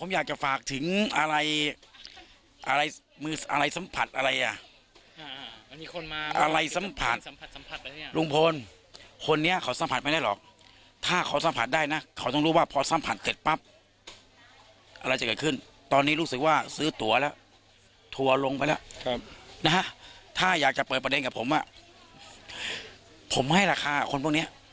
หวุเหภถ้าอยากเปิดประเด็นกับผมผมให้ราคาของผมพวกเนี่ย